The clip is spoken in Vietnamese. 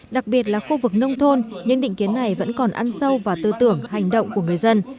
đặc biệt là khu vực nông thôn những định kiến này vẫn còn ăn sâu vào tư tưởng hành động của người dân